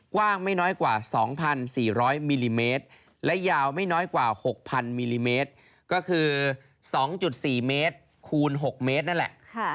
กว้างไม่น้อยกว่า๒๔๐๐มิลลิเมตรและยาวไม่น้อยกว่า๖๐๐มิลลิเมตรก็คือ๒๔เมตรคูณ๖เมตรนั่นแหละ